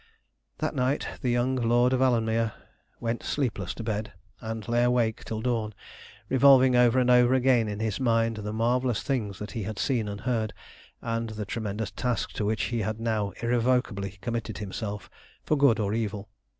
That night the young Lord of Alanmere went sleepless to bed, and lay awake till dawn, revolving over and over again in his mind the marvellous things that he had seen and heard, and the tremendous task to which he had now irrevocably committed himself for good or evil.